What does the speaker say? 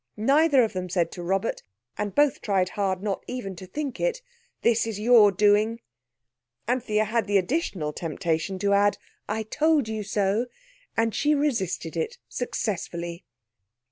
Neither of them said to Robert (and both tried hard not even to think it), "This is your doing." Anthea had the additional temptation to add, "I told you so." And she resisted it successfully.